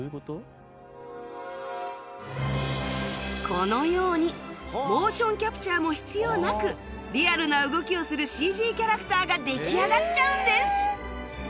このようにモーションキャプチャーも必要なくリアルな動きをする ＣＧ キャラクターが出来上がっちゃうんです